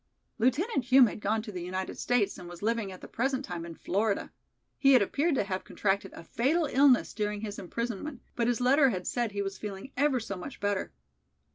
"Lieutenant Hume had gone to the United States and was living at the present time in Florida. He had appeared to have contracted a fatal illness during his imprisonment, but his letter had said he was feeling ever so much better.